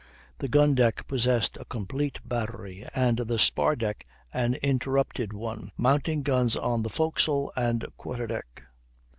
The gun deck possessed a complete battery, and the spar deck an interrupted one, mounting guns on the forecastle and quarter deck.